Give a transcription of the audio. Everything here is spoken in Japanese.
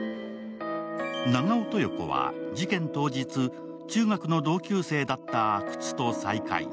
長尾豊子は事件当日、中学の同級生だった阿久津と再会。